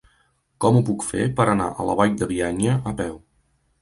Com ho puc fer per anar a la Vall de Bianya a peu?